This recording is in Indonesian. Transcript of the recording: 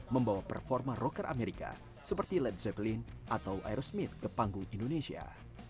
membawa performa rocker amerika seperti led zephlin atau aerosmith ke panggung indonesia